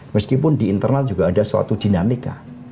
meskipun di internal juga ada suatu dinamika